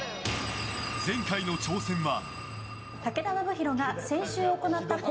前回の挑戦は。